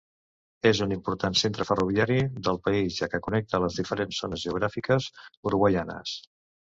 És un important centre ferroviari del país, ja que connecta les diferents zones geogràfiques uruguaianes.